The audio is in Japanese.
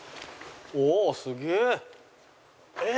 おおすげえ！